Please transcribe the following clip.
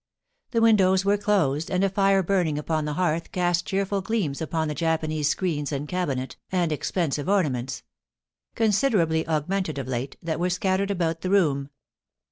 The windows were closed, and a fire burning upon the hearth cast cheerful gleams upon the Japanese screens and cabinet, and expensive ornaments — considerably augmented of late — ^that were scattered about the room.